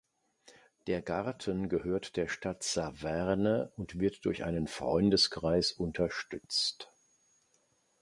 Der Garten gehört der Stadt Saverne und wird durch einen Freundeskreis unterstützt.